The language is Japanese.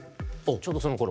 ちょうどそのころ？